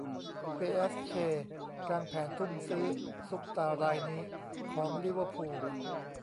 เปแอสเช กางแผนทุ่มซื้อซุปตาร์รายนี้ของ ลิเวอร์พูล